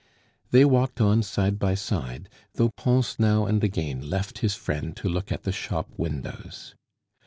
They walked on side by side, though Pons now and again left his friend to look at the shop windows.